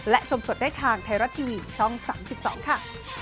และชมสดได้ทางไทยรัฐทีวีช่อง๓๒ค่ะ